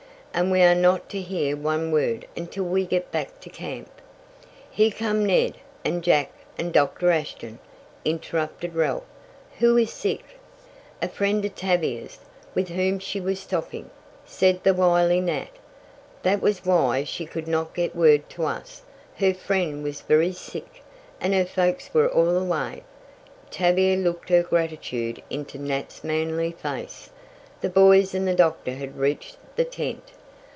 "And we are not to hear one word until we get back to camp." "Here come Ned, and Jack, and Doctor Ashton," interrupted Ralph. "Who is sick?" "A friend of Tavia's, with whom she was stopping," said the wily Nat. "That was why she could not get word to us. Her friend was very sick, and her folks were all away." Tavia looked her gratitude into Nat's manly face. The boys and the doctor had reached the tent.